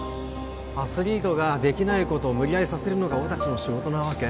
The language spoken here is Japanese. アスリートができないことを無理やりさせるのが俺達の仕事なわけ？